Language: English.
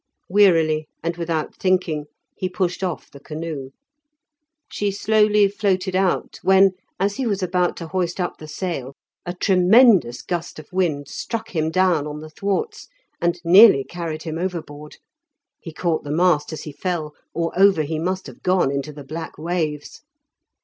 Wearily, and without thinking, he pushed off the canoe; she slowly floated out, when, as he was about to hoist up the sail, a tremendous gust of wind struck him down on the thwarts, and nearly carried him overboard. He caught the mast as he fell, or over he must have gone into the black waves.